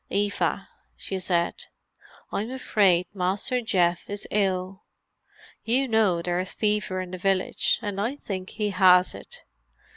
"Eva," she said, "I'm afraid Master Geoff is ill. You know there is fever in the village, and I think he has it.